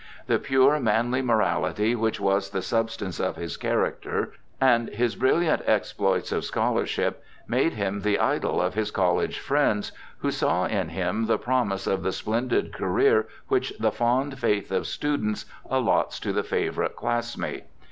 The pure, manly morality which was the substance of his character, and his brilliant exploits of scholarship, made him the idol of his college, friends, who saw in him the promise of the splendid career which the fond faith of students allots to the favorite classmate.